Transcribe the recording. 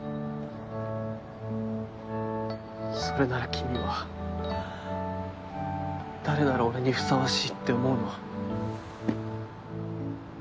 それなら君は誰なら俺にふさわしいって思うの？